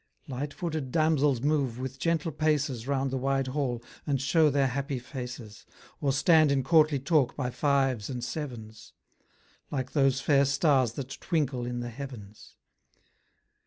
Light footed damsels move with gentle paces Round the wide hall, and show their happy faces; Or stand in courtly talk by fives and sevens: Like those fair stars that twinkle in the heavens.